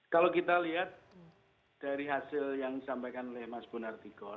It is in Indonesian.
kalau kita lihat dari hasil yang disampaikan oleh mas bonar tigor